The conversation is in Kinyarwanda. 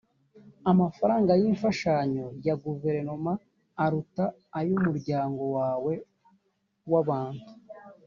amafaranga y’imfashanyo ya guverinoma aruta ay’umuryango wawe w’abantu